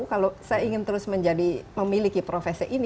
kalau saya ingin terus menjadi memiliki profesi ini